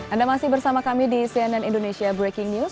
anda masih bersama kami di cnn indonesia breaking news